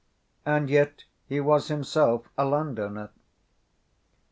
And yet he was himself a landowner.